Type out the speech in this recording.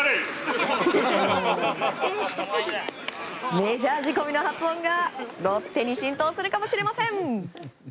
メジャー仕込みの発音がロッテに浸透するかもしれません。